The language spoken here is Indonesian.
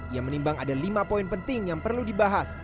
ia menimbang ada lima poin penting yang perlu dibahas